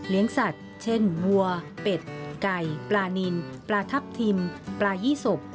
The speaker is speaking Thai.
สัตว์เช่นวัวเป็ดไก่ปลานินปลาทับทิมปลายี่สก